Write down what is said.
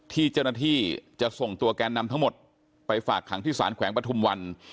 ที่เจรณฐีจะส่งตัวการนำทั้งหมดไปฝากขังที่ศาสน์แขวงปะทุ่มวัน